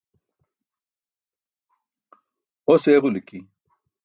Os eġuliki.